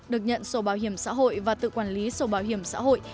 được nhận sổ bảo hiểm xã hội và tự quản lý sổ bảo hiểm xã hội